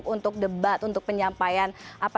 untuk debat untuk penyampaian